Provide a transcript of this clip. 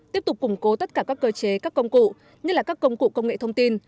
tiếp tục củng cố tất cả các cơ chế các công cụ như là các công cụ công nghệ thông tin